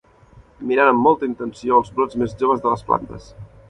Mirant amb molta intenció els brots més joves de les plantes.